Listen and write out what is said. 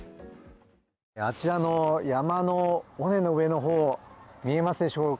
あちらの山の上の方、見えますでしょうか